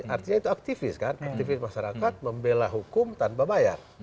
artinya itu aktivis kan aktivis masyarakat membela hukum tanpa bayar